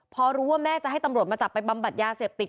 พอรู้ว่าแม่จะให้ตำรวจมาจับไปบำบัดยาเสพติด